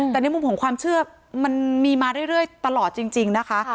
แต่ในมุมของความเชื่อมันมีมาเรื่อยตลอดจริงนะคะ